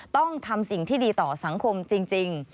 ต้องทำสิ่งที่ดีต่อสังคมจริง